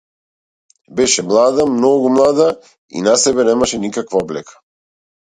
Беше млада, многу млада, и на себе немаше никаква облека.